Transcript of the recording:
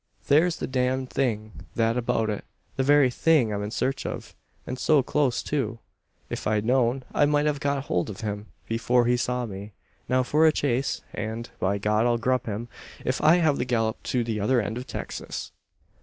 There's the damned thing that did it: the very thing I'm in search of. And so close too! If I'd known, I might have got hold of him before he saw me. Now for a chase; and, by God, I'll grup him, if I have to gallop to the other end of Texas!"